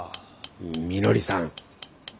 みのりさん。